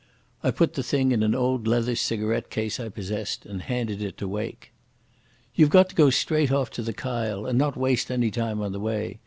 I put the thing in an old leather cigarette case I possessed, and handed it to Wake. "You've got to go straight off to the Kyle and not waste any time on the way.